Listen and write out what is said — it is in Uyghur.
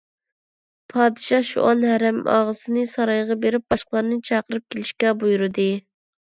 پادىشاھ شۇئان ھەرەمئاغىسىنى سارايغا بېرىپ باشقىلارنى چاقىرىپ كېلىشكە بۇيرۇدى.